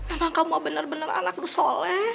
emang kamu bener bener anak dusoleh